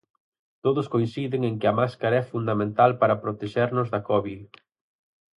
Todos coinciden en que a máscara é fundamental para protexernos da Covid.